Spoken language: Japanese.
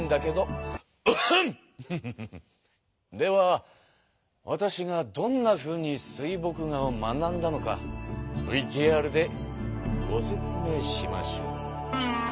ではわたしがどんなふうに水墨画を学んだのかＶＴＲでご説明しましょう。